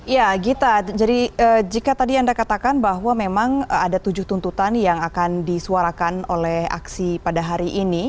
ya gita jadi jika tadi anda katakan bahwa memang ada tujuh tuntutan yang akan disuarakan oleh aksi pada hari ini